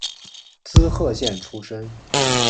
滋贺县出身。